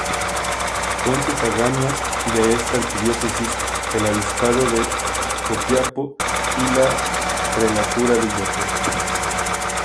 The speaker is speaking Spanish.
Son sufragáneas de esta arquidiócesis el obispado de Copiapó y la prelatura de Illapel.